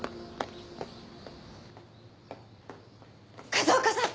風岡さん！